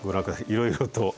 いろいろと。